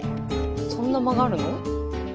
そんな曲がるの？